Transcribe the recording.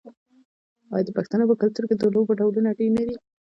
آیا د پښتنو په کلتور کې د لوبو ډولونه ډیر نه دي؟